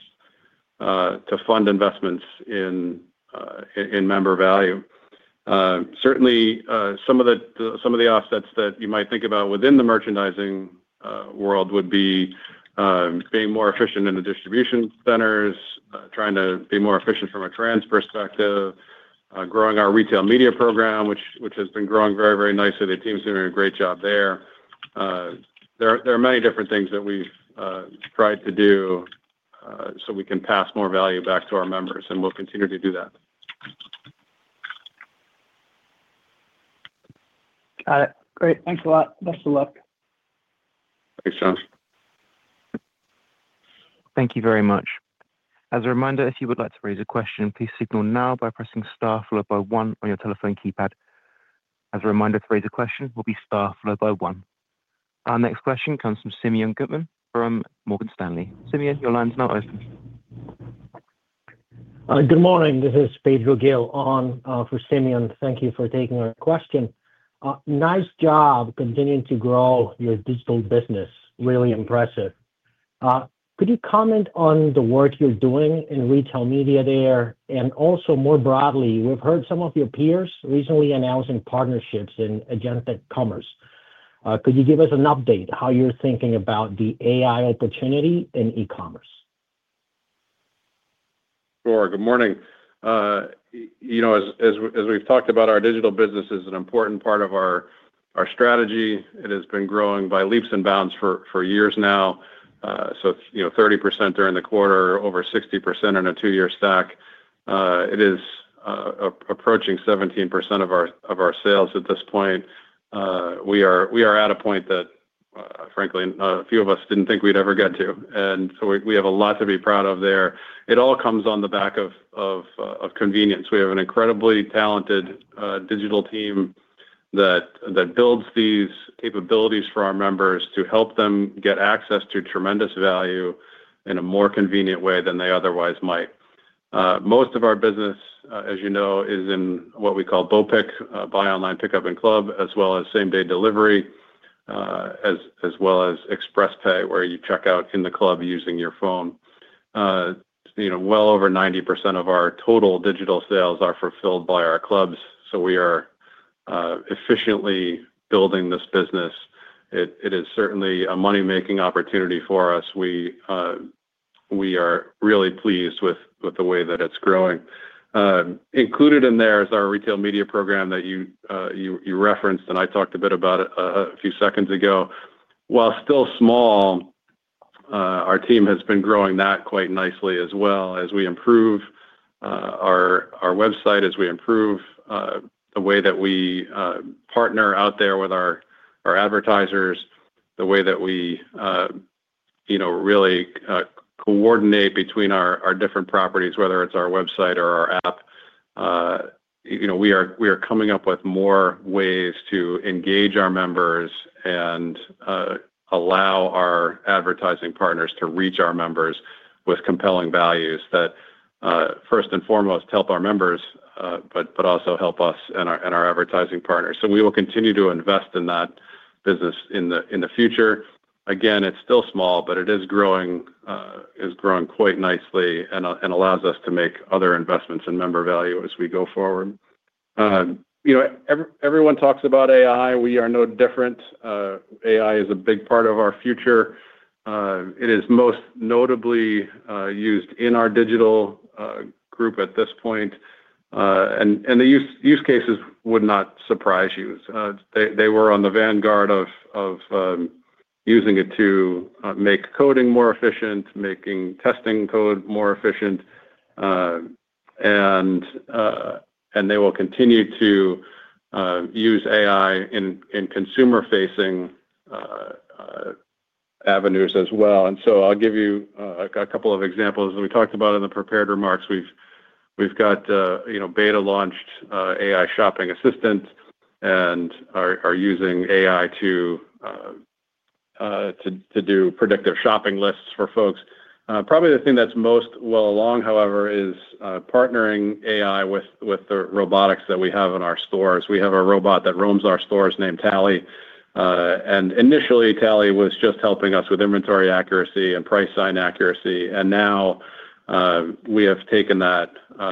S3: to fund investments in member value. Certainly, some of the offsets that you might think about within the merchandising world would be being more efficient in the distribution centers, trying to be more efficient from a trans perspective, growing our retail media program, which has been growing very, very nicely. The team's doing a great job there. There are many different things that we've tried to do so we can pass more value back to our members, and we'll continue to do that.
S12: Got it. Great. Thanks a lot. Best of luck.
S3: Thanks, John.
S1: Thank you very much. As a reminder, if you would like to raise a question, please signal now by pressing star followed by one on your telephone keypad. As a reminder, to raise a question will be star followed by one. Our next question comes from Simeon Gutman from Morgan Stanley. Simeon, your line's now open.
S13: Good morning. This is Pedro Gale on for Simeon. Thank you for taking our question. Nice job continuing to grow your digital business. Really impressive. Could you comment on the work you're doing in retail media there? Also, more broadly, we've heard some of your peers recently announcing partnerships in agentic commerce. Could you give us an update on how you're thinking about the AI opportunity in e-commerce?
S3: Laura, good morning. As we've talked about, our digital business is an important part of our strategy. It has been growing by leaps and bounds for years now. 30% during the quarter, over 60% in a two-year stack. It is approaching 17% of our sales at this point. We are at a point that, frankly, a few of us didn't think we'd ever get to. We have a lot to be proud of there. It all comes on the back of convenience. We have an incredibly talented digital team that builds these capabilities for our members to help them get access to tremendous value in a more convenient way than they otherwise might. Most of our business, as you know, is in what we call BOPIC, Buy Online, Pick Up in Club, as well as same-day delivery, as well as Express Pay, where you check out in the club using your phone. Well over 90% of our total digital sales are fulfilled by our clubs. We are efficiently building this business. It is certainly a money-making opportunity for us. We are really pleased with the way that it's growing. Included in there is our retail media program that you referenced, and I talked a bit about it a few seconds ago. While still small, our team has been growing that quite nicely as we improve our website, as we improve the way that we partner out there with our advertisers, the way that we really coordinate between our different properties, whether it's our website or our app. We are coming up with more ways to engage our members and allow our advertising partners to reach our members with compelling values that, first and foremost, help our members, but also help us and our advertising partners. We will continue to invest in that business in the future. Again, it's still small, but it is growing quite nicely and allows us to make other investments in member value as we go forward. Everyone talks about AI. We are no different. AI is a big part of our future. It is most notably used in our digital group at this point. The use cases would not surprise you. They were on the vanguard of using it to make coding more efficient, making testing code more efficient. They will continue to use AI in consumer-facing avenues as well. I'll give you a couple of examples. We talked about in the prepared remarks. We've got beta-launched AI shopping assistants and are using AI to do predictive shopping lists for folks. Probably the thing that's most well along, however, is partnering AI with the robotics that we have in our stores. We have a robot that roams our stores named Tally. Initially, Tally was just helping us with inventory accuracy and price sign accuracy. Now we have taken that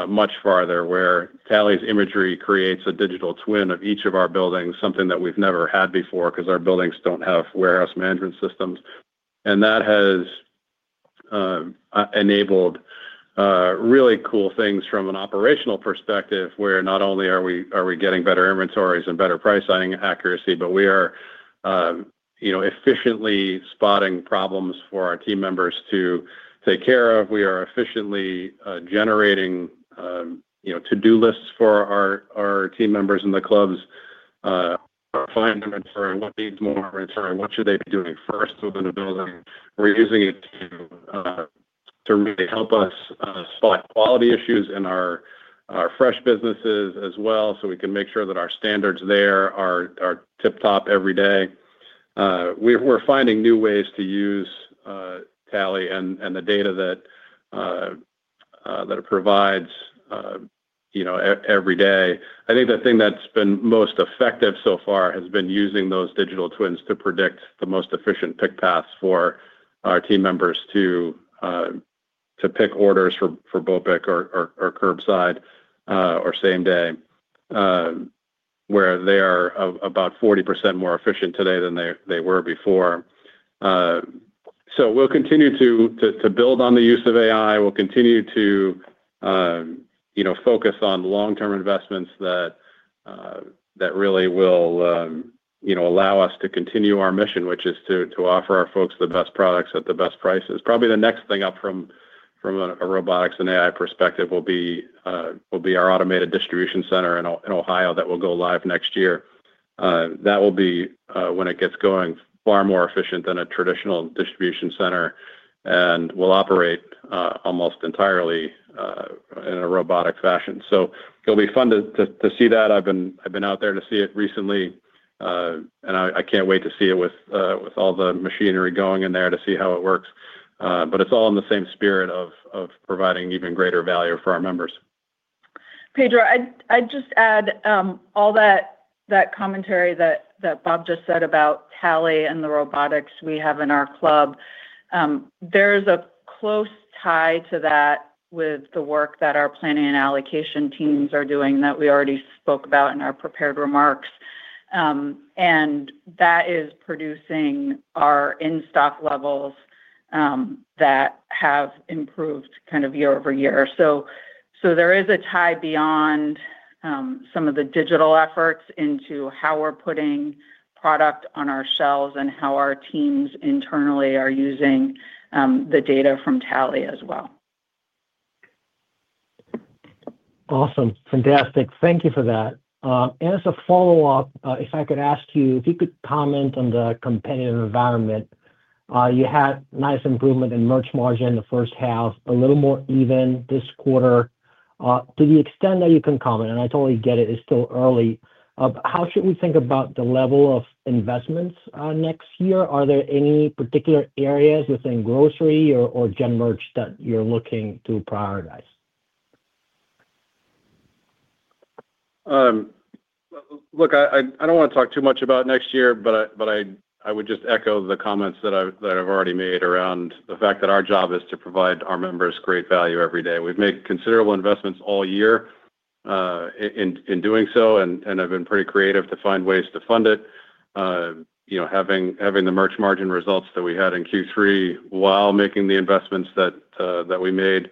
S3: much farther where Tally's imagery creates a digital twin of each of our buildings, something that we've never had before because our buildings don't have warehouse management systems. That has enabled really cool things from an operational perspective where not only are we getting better inventories and better price signing accuracy, but we are efficiently spotting problems for our team members to take care of. We are efficiently generating to-do lists for our team members in the clubs, finding inventory, what needs more inventory, what should they be doing first within the building. We're using it to really help us spot quality issues in our fresh businesses as well so we can make sure that our standards there are tip-top every day. We're finding new ways to use Tally and the data that it provides every day. I think the thing that's been most effective so far has been using those digital twins to predict the most efficient pick paths for our team members to pick orders for BOPIC or curbside or same-day, where they are about 40% more efficient today than they were before. We'll continue to build on the use of AI. We'll continue to focus on long-term investments that really will allow us to continue our mission, which is to offer our folks the best products at the best prices. Probably the next thing up from a robotics and AI perspective will be our automated distribution center in Ohio that will go live next year. That will be, when it gets going, far more efficient than a traditional distribution center and will operate almost entirely in a robotic fashion. It will be fun to see that. I've been out there to see it recently, and I can't wait to see it with all the machinery going in there to see how it works. It is all in the same spirit of providing even greater value for our members.
S4: Pedro, I'd just add all that commentary that Bob just said about Tally and the robotics we have in our club. There's a close tie to that with the work that our planning and allocation teams are doing that we already spoke about in our prepared remarks. That is producing our in-stock levels that have improved kind of year over year. There is a tie beyond some of the digital efforts into how we're putting product on our shelves and how our teams internally are using the data from Tally as well.
S14: Awesome. Fantastic. Thank you for that. As a follow-up, if I could ask you, if you could comment on the competitive environment, you had nice improvement in merch margin in the first half, a little more even this quarter. To the extent that you can comment, and I totally get it, it's still early, how should we think about the level of investments next year? Are there any particular areas within grocery or gen merch that you're looking to prioritize?
S3: Look, I do not want to talk too much about next year, but I would just echo the comments that I have already made around the fact that our job is to provide our members great value every day. We have made considerable investments all year in doing so, and I have been pretty creative to find ways to fund it. Having the merch margin results that we had in Q3 while making the investments that we made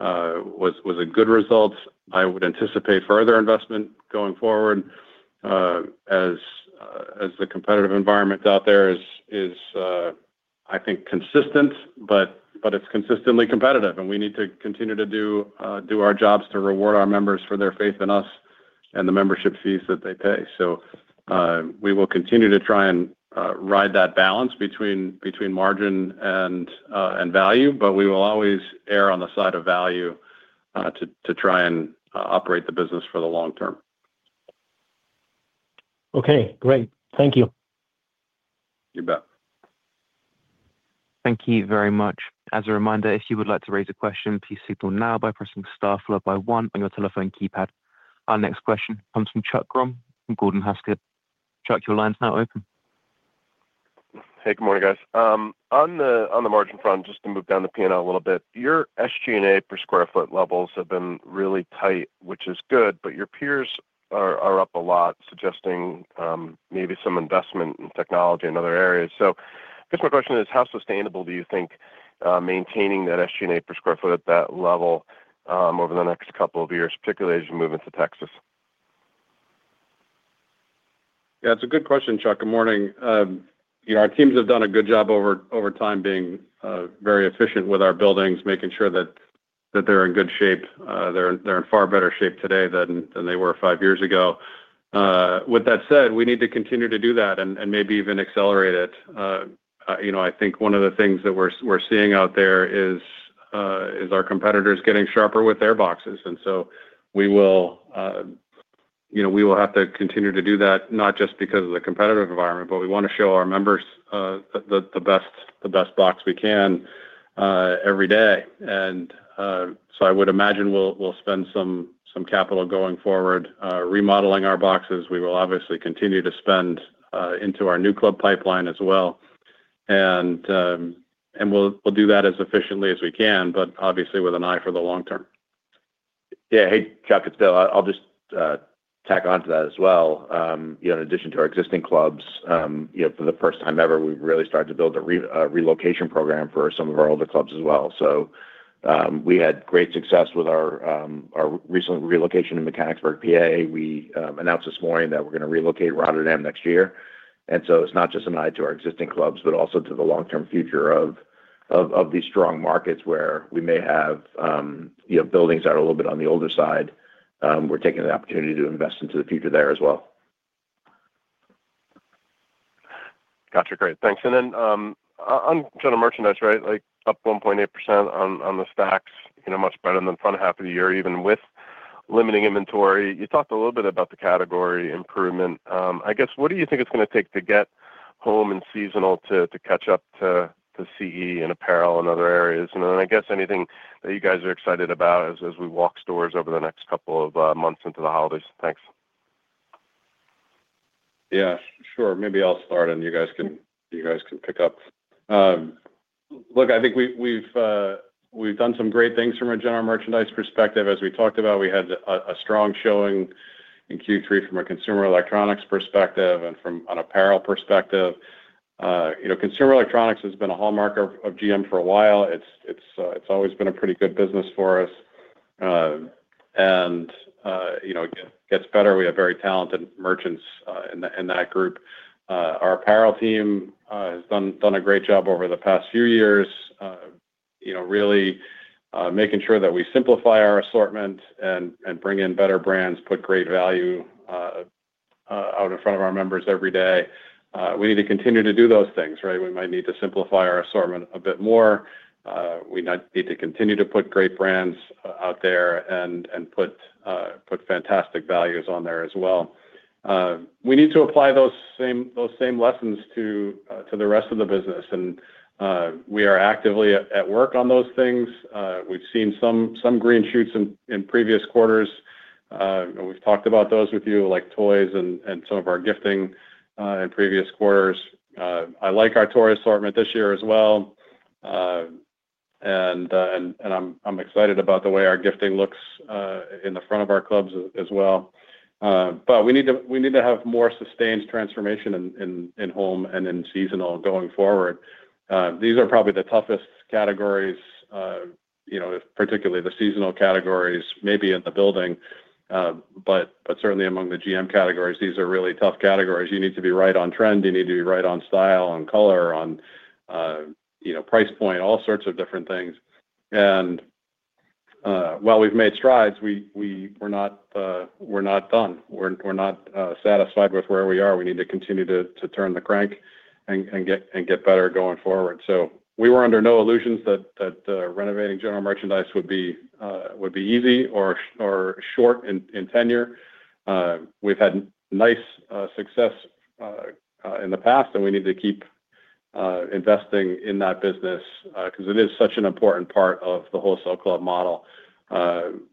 S3: was a good result. I would anticipate further investment going forward as the competitive environment out there is, I think, consistent, but it is consistently competitive. We need to continue to do our jobs to reward our members for their faith in us and the membership fees that they pay. We will continue to try and ride that balance between margin and value, but we will always err on the side of value to try and operate the business for the long term.
S14: Okay. Great. Thank you.
S3: You bet.
S1: Thank you very much. As a reminder, if you would like to raise a question, please signal now by pressing star followed by one on your telephone keypad. Our next question comes from Chuck Grom from Gordon Haskett. Chuck, your line's now open.
S15: Hey, good morning, guys. On the margin front, just to move down the P&L a little bit, your SG&A per square foot levels have been really tight, which is good, but your peers are up a lot, suggesting maybe some investment in technology in other areas. I guess my question is, how sustainable do you think maintaining that SG&A per square foot at that level over the next couple of years, particularly as you move into Texas?
S3: Yeah, it's a good question, Chuck. Good morning. Our teams have done a good job over time being very efficient with our buildings, making sure that they're in good shape. They're in far better shape today than they were five years ago. With that said, we need to continue to do that and maybe even accelerate it. I think one of the things that we're seeing out there is our competitors getting sharper with their boxes. We will have to continue to do that, not just because of the competitive environment, but we want to show our members the best box we can every day. I would imagine we'll spend some capital going forward remodeling our boxes. We will obviously continue to spend into our new club pipeline as well. We will do that as efficiently as we can, obviously with an eye for the long term.
S7: Yeah. Hey, Chuck, I'll just tack on to that as well. In addition to our existing clubs, for the first time ever, we've really started to build a relocation program for some of our older clubs as well. We had great success with our recent relocation in Mechanicsburg, Pennsylvania. We announced this morning that we're going to relocate Rotterdam next year. It's not just an eye to our existing clubs, but also to the long-term future of these strong markets where we may have buildings that are a little bit on the older side. We're taking the opportunity to invest into the future there as well.
S15: Gotcha. Great. Thanks. Then on general merchandise, right, up 1.8% on the stacks, much better than the front half of the year, even with limiting inventory. You talked a little bit about the category improvement. I guess, what do you think it's going to take to get home and seasonal to catch up to CE and apparel and other areas? I guess anything that you guys are excited about as we walk stores over the next couple of months into the holidays. Thanks.
S3: Yeah. Sure. Maybe I'll start, and you guys can pick up. Look, I think we've done some great things from a general merchandise perspective. As we talked about, we had a strong showing in Q3 from a consumer electronics perspective and from an apparel perspective. Consumer electronics has been a hallmark of GM for a while. It's always been a pretty good business for us. It gets better. We have very talented merchants in that group. Our apparel team has done a great job over the past few years, really making sure that we simplify our assortment and bring in better brands, put great value out in front of our members every day. We need to continue to do those things, right? We might need to simplify our assortment a bit more. We need to continue to put great brands out there and put fantastic values on there as well. We need to apply those same lessons to the rest of the business. We are actively at work on those things. We've seen some green shoots in previous quarters. We've talked about those with you, like toys and some of our gifting in previous quarters. I like our toy assortment this year as well. I'm excited about the way our gifting looks in the front of our clubs as well. We need to have more sustained transformation in home and in seasonal going forward. These are probably the toughest categories, particularly the seasonal categories, maybe in the building, but certainly among the GM categories. These are really tough categories. You need to be right on trend. You need to be right on style, on color, on price point, all sorts of different things. While we've made strides, we're not done. We're not satisfied with where we are. We need to continue to turn the crank and get better going forward. We were under no illusions that renovating general merchandise would be easy or short in tenure. We've had nice success in the past, and we need to keep investing in that business because it is such an important part of the wholesale club model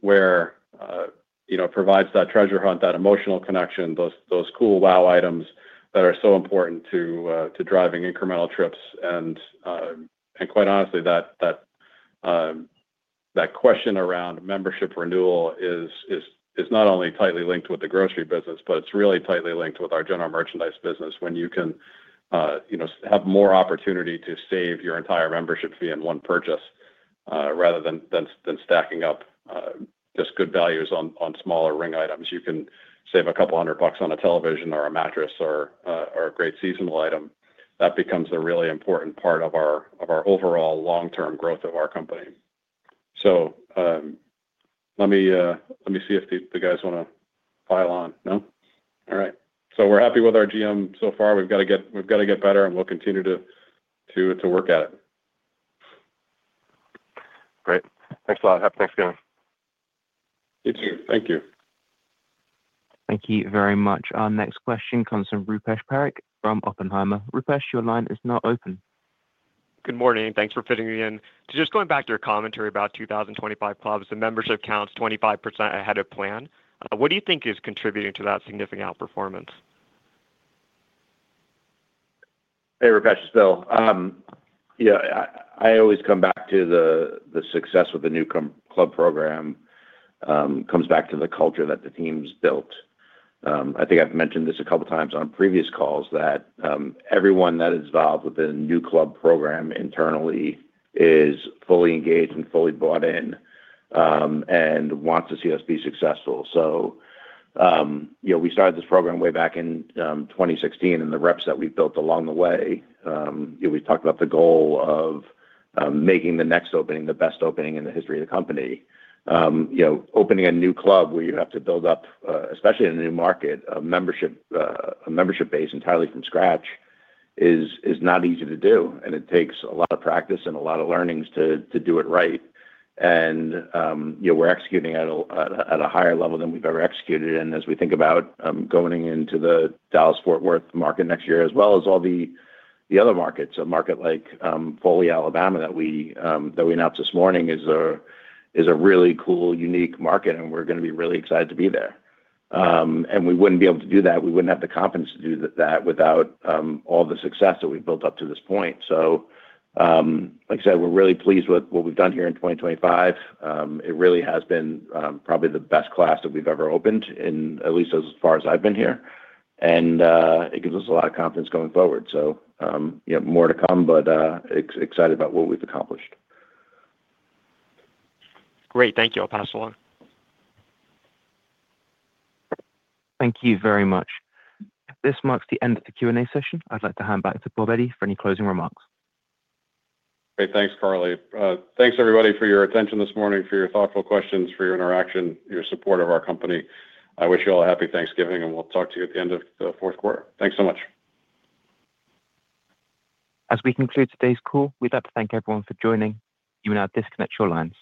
S3: where it provides that treasure hunt, that emotional connection, those cool wow items that are so important to driving incremental trips. Quite honestly, that question around membership renewal is not only tightly linked with the grocery business, but it is really tightly linked with our general merchandise business when you can have more opportunity to save your entire membership fee in one purchase rather than stacking up just good values on smaller ring items. You can save a couple of hundred bucks on a television or a mattress or a great seasonal item. That becomes a really important part of our overall long-term growth of our company. Let me see if the guys want to pile on. No? All right. We are happy with our GM so far. We have got to get better, and we will continue to work at it.
S15: Great. Thanks a lot. Have a nice game.
S3: You too. Thank you.
S1: Thank you very much. Our next question comes from Rupesh Parikh from Oppenheimer. Rupesh, your line is now open.
S16: Good morning. Thanks for fitting me in. Just going back to your commentary about 2025 clubs, the membership counts 25% ahead of plan. What do you think is contributing to that significant outperformance?
S7: Hey, Rupesh, still. Yeah, I always come back to the success with the new club program comes back to the culture that the team's built. I think I've mentioned this a couple of times on previous calls that everyone that is involved with the new club program internally is fully engaged and fully bought in and wants to see us be successful. We started this program way back in 2016, and the reps that we've built along the way, we talked about the goal of making the next opening the best opening in the history of the company. Opening a new club where you have to build up, especially in a new market, a membership base entirely from scratch is not easy to do. It takes a lot of practice and a lot of learnings to do it right. We're executing at a higher level than we've ever executed. As we think about going into the Dallas-Fort Worth market next year, as well as all the other markets, a market like Foley, Alabama, that we announced this morning is a really cool, unique market, and we're going to be really excited to be there. We wouldn't be able to do that. We wouldn't have the confidence to do that without all the success that we've built up to this point. Like I said, we're really pleased with what we've done here in 2025. It really has been probably the best class that we've ever opened, at least as far as I've been here. It gives us a lot of confidence going forward. More to come, but excited about what we've accomplished.
S16: Great. Thank you. I'll pass along.
S1: Thank you very much. This marks the end of the Q&A session. I'd like to hand back to Bob Eddy for any closing remarks.
S3: Great. Thanks, Carly. Thanks, everybody, for your attention this morning, for your thoughtful questions, for your interaction, your support of our company. I wish you all a happy Thanksgiving, and we'll talk to you at the end of the fourth quarter. Thanks so much.
S1: As we conclude today's call, we'd like to thank everyone for joining. You may now disconnect your lines.